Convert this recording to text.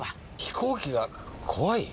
飛行機が怖い？